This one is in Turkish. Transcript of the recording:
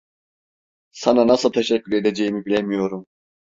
Sana nasıl teşekkür edeceğimi bilemiyorum.